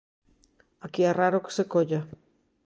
Aquí é raro que se colla.